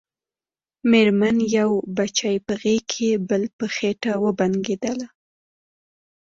مېرمن يې يو بچی په غېږ کې بل په خېټه وبنګېدله.